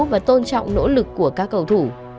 và tôn trọng nỗ lực của các cầu thủ